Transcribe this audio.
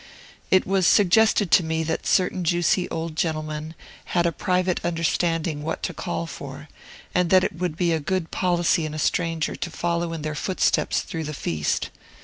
It was suggested to me that certain juicy old gentlemen had a private understanding what to call for, and that it would be good policy in a stranger to follow in their footsteps through the feast.